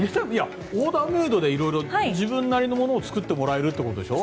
オーダーメイドで色々自分なりのものを作ってもらえるということでしょ？